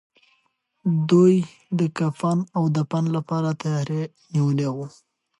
دوی د کفن او دفن لپاره تياری نيولی و.